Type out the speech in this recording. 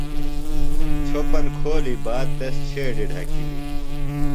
چھوۡپن کھولی باد تس چھیڈیۡ ڈھکِلیۡ۔